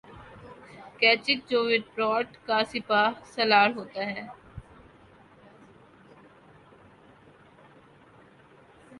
کیچک جو ویراٹ کا سپاہ سالار ہوتا ہے